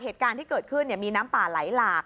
ที่เกิดขึ้นเนี่ยมีน้ำป่าไหลหลาก